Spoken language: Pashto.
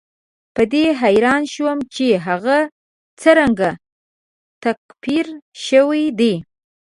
په دې حیران شوم چې هغه څرنګه تکفیر شوی دی.